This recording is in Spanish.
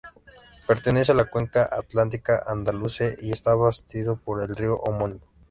Pertenece a la Cuenca Atlántica Andaluza y está abastecido por el río homónimo.